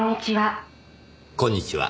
「こんにちは」